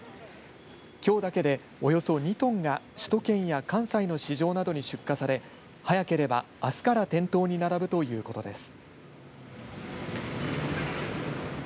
きょうだけでおよそ２トンが首都圏や関西の市場などに出荷され早ければ、あすから店頭に並ぶということです。